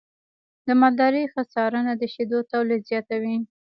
د مالدارۍ ښه څارنه د شیدو تولید زیاتوي.